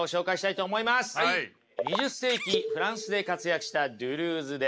二十世紀フランスで活躍したドゥルーズです。